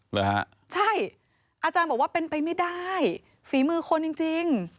เหรอฮะใช่อาจารย์บอกว่าเป็นไปไม่ได้ฝีมือคนจริงจริง